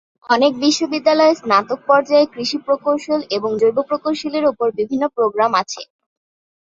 অনেক বিশ্ববিদ্যালয়ে স্নাতক পর্যায়ে কৃষি প্রকৌশল এবং জৈব প্রকৌশলের উপর বিভিন্ন প্রোগ্রাম আছে।